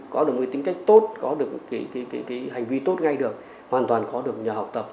có được một cái tính cách tốt có được hành vi tốt ngay được hoàn toàn có được nhờ học tập